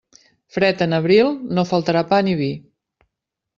Fred en abril, no faltarà pa ni vi.